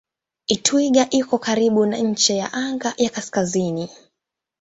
Twiga iko karibu na ncha ya anga ya kaskazini.